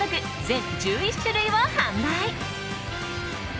全１１種類を販売。